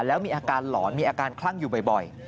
แล้วมีอาการหลอนมีอาการคลั่งอยู่บ่อย